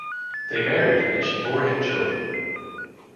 They married, and she bore him children.